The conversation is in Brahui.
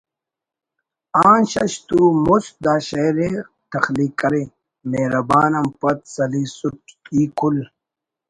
آن شش تُو مسُت دا شعر ءِ تخلیق کرے: مہربان آن پد سلیسُٹ ای کل